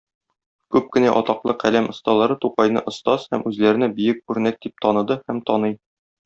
Күп кенә атаклы каләм осталары Тукайны остаз һәм үзләренә бөек үрнәк дип таныды һәм таный.